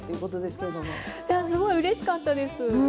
すごくうれしかったです。